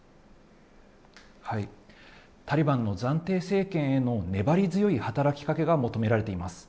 タリバンの暫定政権への粘り強い働きかけが求められています。